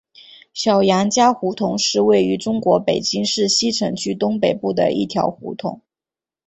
小杨家胡同是位于中国北京市西城区东北部的一条胡同。